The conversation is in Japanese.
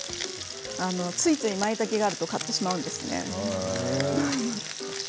ついつい、まいたけがあると買ってしまうんですね。